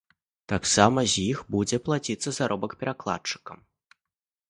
Таксама з іх будзе плаціцца заробак перакладчыкам.